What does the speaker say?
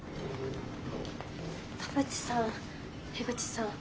田渕さん口さん